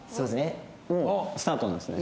スタートなんですね？